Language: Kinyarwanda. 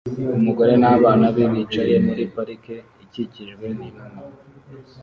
Umugore n'abana be bicaye muri parike ikikijwe n'inuma